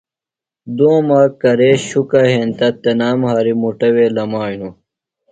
دومہ کرے شُکہ ہینتہ تنام ہریۡ مُٹہ وے لمیانوۡ۔